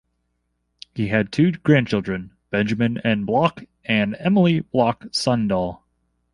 He had two grandchildren, Benjamin N. Bloch and Emilie Bloch Sondel.